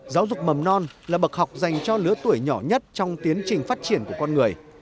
giáo dục mầm non là bậc học dành cho lứa tuổi nhỏ nhất trong tiến trình phát triển của con người